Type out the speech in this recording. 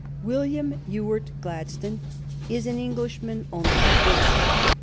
William Ewart Gladstone is an Englishman only by birth.